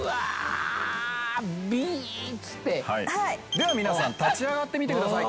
では皆さん立ち上がってみてください。